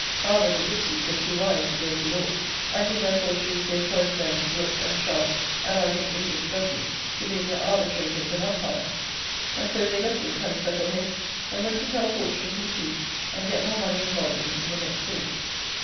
However, the gypsies were too wise to go to law, and did therefore choose their choice friends Rook and Shark, and our late English Gusman, to be their arbitrators and umpires. And so they left this honeysuckle hedge; and went to tell fortunes and cheat, and get more money and lodging in the next village.